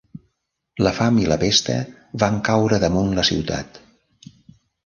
La fam i la pesta van caure damunt la ciutat.